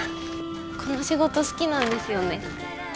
この仕事好きなんですよね。